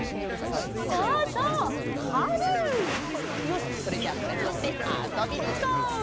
よしそれじゃあこれにのってあそびにいこう！